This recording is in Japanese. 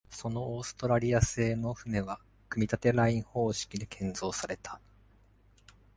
そのオーストラリア製の船は、組立ライン方式で建造された。